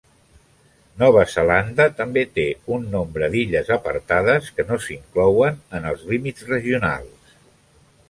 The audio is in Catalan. Nova Zelanda també té un nombre d'illes apartades que no s'inclouen en els límits regionals.